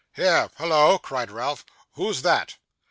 'Here. Hollo!' cried Ralph. 'Who's that?